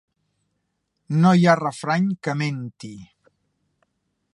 No hi ha refrany que menti.